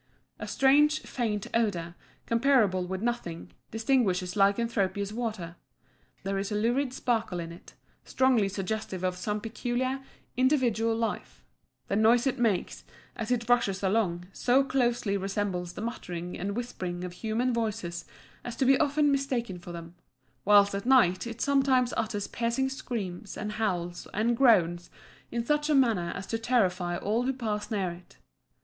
A strange, faint odour, comparable with nothing, distinguishes lycanthropous water; there is a lurid sparkle in it, strongly suggestive of some peculiar, individual life; the noise it makes, as it rushes along, so closely resembles the muttering and whispering of human voices as to be often mistaken for them; whilst at night it sometimes utters piercing screams, and howls, and groans, in such a manner as to terrify all who pass near it.